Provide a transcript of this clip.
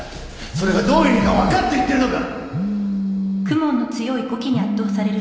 それがどういう意味かわかって言ってるのか！